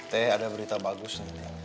teh ada berita bagus